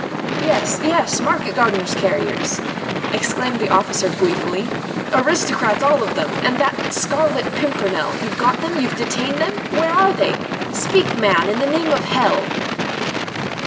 "Yes! yes! market gardener's carriers," exclaimed the officer gleefully, "aristocrats all of them ... and that d d Scarlet Pimpernel. You've got them? You've detained them?... Where are they?... Speak, man, in the name of hell!..."